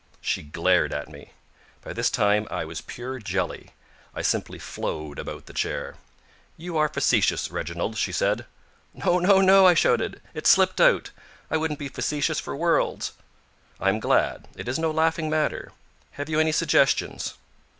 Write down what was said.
She glared at me. By this time I was pure jelly. I simply flowed about the chair. "You are facetious, Reginald," she said. "No, no, no," I shouted. "It slipped out. I wouldn't be facetious for worlds." "I am glad. It is no laughing matter. Have you any suggestions?"